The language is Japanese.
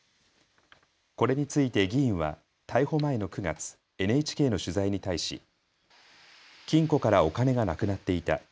これについて議員は逮捕前の９月、ＮＨＫの取材に対し金庫からお金がなくなっていた。